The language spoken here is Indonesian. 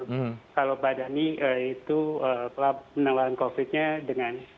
menelan covid sembilan belas nya dengan